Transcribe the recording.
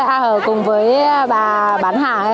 a hờ cùng với bà bán hả